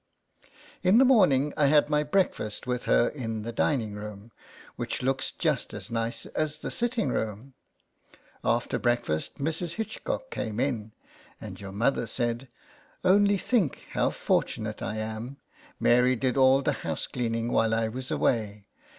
In the morning I had my breakfast with her in the dining 54 LETTERS FROM A CAT. room, which looks just as nice as the sitting room. After breakfast Mrs. Hitchcock came in, and your mother said :" Only think, how for tunate I am ; Mary did all the house cleaning while I was away.